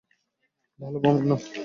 ভালো ভ্রমণ না?